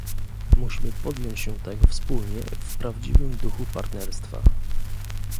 Musimy podjąć się tego wspólnie w prawdziwym duchu partnerstwa